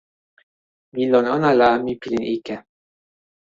mi lon ona la, mi pilin ike.